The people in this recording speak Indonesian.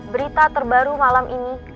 berita terbaru malam ini